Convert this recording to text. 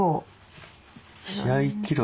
試合記録。